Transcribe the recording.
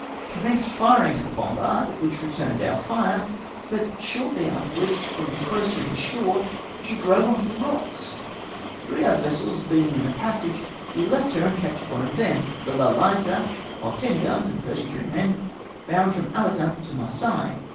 Commenced firing at the bombard, which returned our fire; but shortly afterwards getting closer in shore she drove on the rocks. Three other vessels being in the passage, we left her, and captured one of them, the La Liza of ten guns and thirty three men, bound from Alicant to Marseilles.